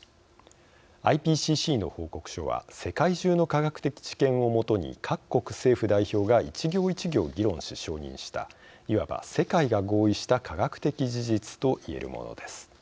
ＩＰＣＣの報告書は世界中の科学的知見を基に各国政府代表が１行１行議論し承認したいわば世界が合意した科学的事実と言えるものです。